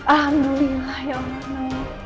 alhamdulillah ya allah